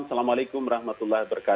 assalamualaikum wr wb